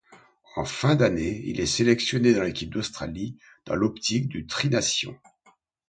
En fin d'année, il est sélectionné dans l'équipe d'Australie dans l'optique du Tri-Nations.